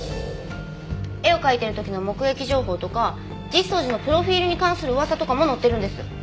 絵を描いてる時の目撃情報とか実相寺のプロフィールに関する噂とかも載ってるんです。